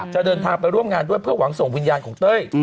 เดินทางไปร่วมงานด้วยเพื่อหวังส่งวิญญาณของเต้ย